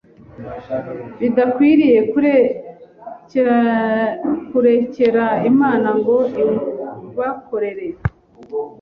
badakwiriye kurekera Imana ngo iwubakorere